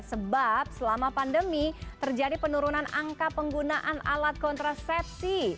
sebab selama pandemi terjadi penurunan angka penggunaan alat kontrasepsi